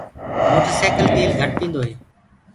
موٽر سيڪل تيل گهٽ پيٚندو هي۔